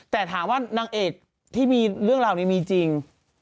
แต่ถามว่านางเอกที่มีเรื่องราวนี้มีจริง